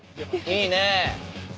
いいね。